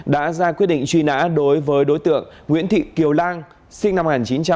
đã ra quyết định truy nã đối với đối tượng nguyễn thị kiều lan sinh năm một nghìn chín trăm tám mươi